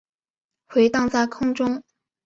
回荡在空中